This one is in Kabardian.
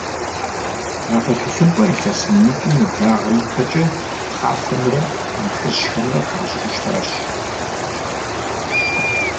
Япэ тхылъымпӏэр илъэс минитӏым нэблагъэ ипэкӏэ пхъафэмрэ къунтхыжьхэмрэ къыхащӏыкӏауэ щытащ.